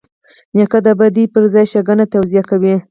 نیکه د بدۍ پر ځای ښېګڼه توصیه کوي.